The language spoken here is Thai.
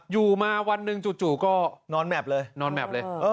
อยู่มาวันหนึ่งจู่ก็นอนแมพเลย